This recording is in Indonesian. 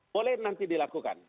boleh nanti dilakukan